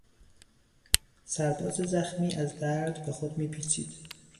سرباز زخمی از درد به خود میپیچید.